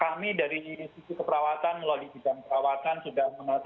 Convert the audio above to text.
kami dari sisi keperawatan melalui bidang perawatan kita sudah mencari informasi